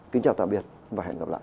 kính chào tạm biệt và hẹn gặp lại